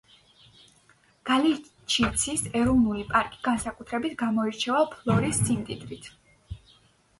გალიჩიცის ეროვნული პარკი განსაკუთრებით გამოირჩევა ფლორის სიმდიდრით.